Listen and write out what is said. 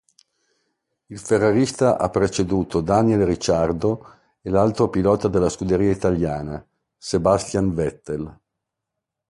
Il ferrarista ha preceduto Daniel Ricciardo e l'altro pilota della scuderia italiana, Sebastian Vettel.